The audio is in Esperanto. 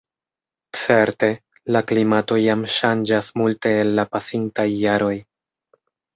Certe, la klimato jam ŝanĝas multe el la pasintaj jaroj.